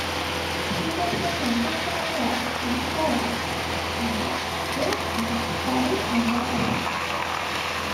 He was a contemporary of Antorides, and, like him, studied under Ariston.